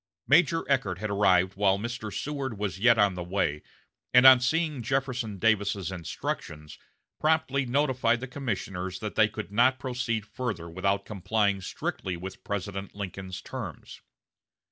Major Eckert had arrived while Mr. Seward was yet on the way, and on seeing Jefferson Davis's instructions, promptly notified the commissioners that they could not proceed further without complying strictly with President Lincoln's terms.